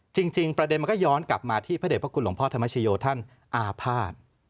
จริงประเด็นมันก็ย้อนกลับมาที่พระเด็จพระคุณหลวงพ่อธรรมชโยท่านอาภาษณ์